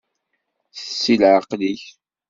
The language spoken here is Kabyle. S leɛqel-ik.